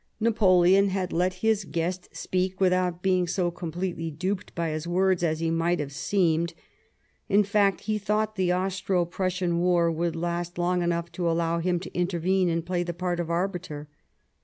Napoleon had. let his guest speak without being so completely duped by his words as he might have seemed ; in fact, he thought the Austro Prussian War would last long enough to allow him to intervene a"fed play the part of arbiter.